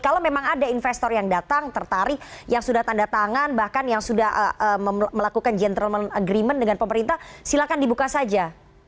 kalau memang ada investor yang datang tertarik yang sudah tanda tangan bahkan yang sudah melakukan gentleman agreement dengan pemerintah silakan dibuka saja